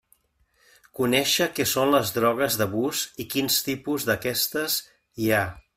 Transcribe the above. Conéixer què són les drogues d'abús i quins tipus d'aquestes hi ha.